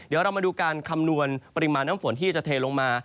เดี๋ยวเรามาดูการคำนวณปริมาณน้ำฝนที่จะเทลงมา